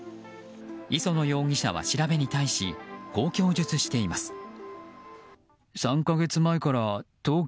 磯野容疑者は調べに対しこう供述しています。